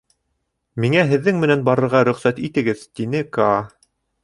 — Миңә һеҙҙең менән барырға рөхсәт итегеҙ, — тине Каа.